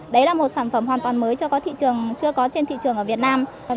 đấy là một sản phẩm hoàn toàn mới chưa có trên thị trường ở việt nam